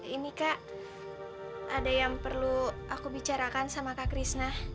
ini kak ada yang perlu aku bicarakan sama kak krisna